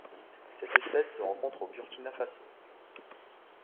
Cette espèce se rencontre au Burkina Faso.